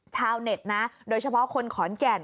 ชาวเน็ตนะโดยเฉพาะคนขอนแก่น